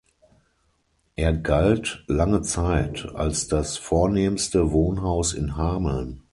Er galt lange Zeit als das vornehmste Wohnhaus in Hameln.